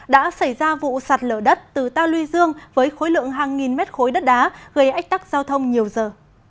đã xảy ra vụ sạt lở đất từ ta luy dương với khối lượng hàng nghìn mét khối đất đá gây ách tắc giao thông nhiều giờ